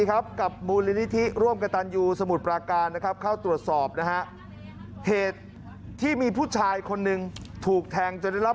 ขายบริการ